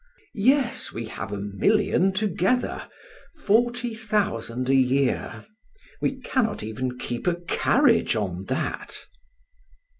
"Yes, we have a million together; forty thousand a year. We cannot even keep a carriage on that."